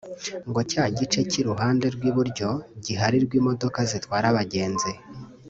ngo cya gice cy’iruhande rw’iburyo giharirwe imodoka zitwara abagenzi